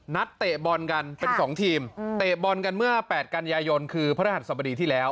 นัดเตะบอลกันเป็นสองทีมอืมเตะบอลกันเมื่อแปดกรรยายยนต์คือพรหัสสมธิที่แล้ว